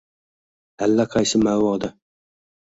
Allaqaysi ma’voda